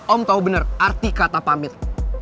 om tau bener arti kata pamit